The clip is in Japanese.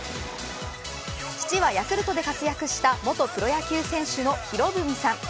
父はヤクルトで活躍した元プロ野球選手の博文さん。